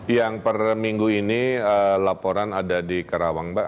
yang per minggu ini laporan ada di kerawang mbak